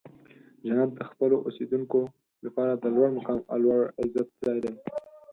جنت د خپلو اوسیدونکو لپاره د لوړ مقام او لوړ عزت ځای دی.